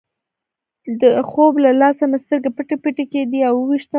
د خوب له لاسه مې سترګې پټې پټې کېدې، اوه ویشتم فصل.